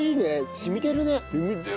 染みてる。